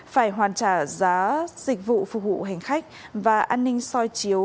phải hoàn trả giá dịch vụ phục vụ hành khách và an ninh soi chiếu